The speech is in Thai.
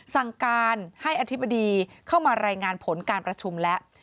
สั่งการให้อธิบดีเข้ามารายงานผลการประชุมแล้ว